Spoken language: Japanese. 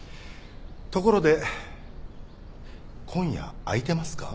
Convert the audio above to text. ところで今夜空いてますか？